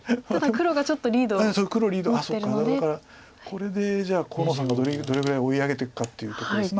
これでじゃあ河野さんがどれぐらい追い上げていくかっていうとこです